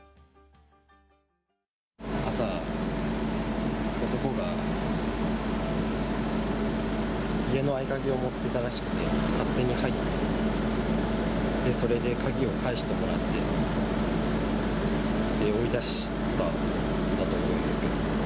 朝、男が家の合鍵を持ってたらしくて、勝手に入って、それで鍵を返してもらって、追い出したんだと思いますけど。